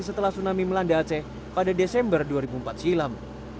setelah tsunami melanda aceh pada desember dua ribu empat silam